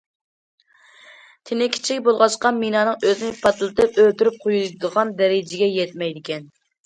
تېنى كىچىك بولغاچقا مىنانىڭ ئۆزىنى پارتلىتىپ ئۆلتۈرۈپ قويىدىغان دەرىجىگە يەتمەيدىكەن.